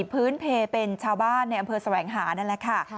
พื้นเพลเป็นชาวบ้านในอำเภอแสวงหานั่นแหละค่ะ